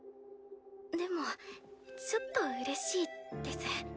でもちょっとうれしいです。